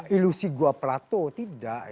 ilusi gua plato tidak